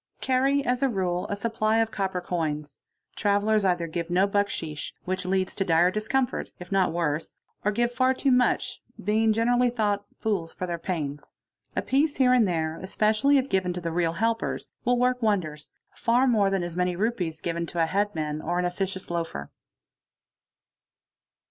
ah a Carry, as a rule, a supply, of copper coins. 'Travellers either give n bucksheesh—which leads to dire discomfort, if not worse; or give far too much, being generally thought fools for their pains. A pice here an there, especially if given to the real helpers, will work wonders, far mor than as many rupees given to a headman or an officious loafer.